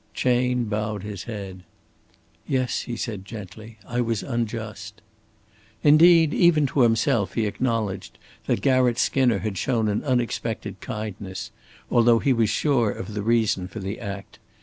Chayne bowed his head. "Yes," he said, gently. "I was unjust." Indeed even to himself he acknowledged that Garratt Skinner had shown an unexpected kindness, although he was sure of the reason for the act.